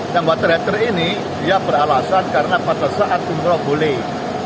dan water heater ini dia beralasan karena pada saat umroh boleh